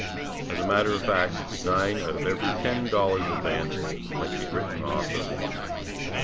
As a matter of fact, nine out of every ten dollars advanced might be written off as lost.